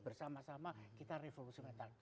bersama sama kita revolusi mental